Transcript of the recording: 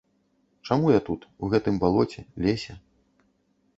Чаму я тут, у гэтым балоце, лесе?